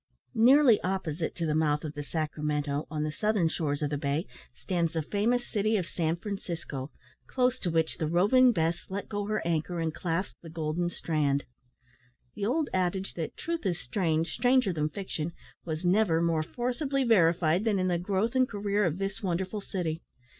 Nearly opposite to the mouth of the Sacramento, on the southern shores of the bay, stands the famous city of San Francisco, close to which the Roving Bess let go her anchor and clasped the golden strand. The old adage that, "truth is strange, stranger than fiction," was never more forcibly verified than in the growth and career of this wonderful city.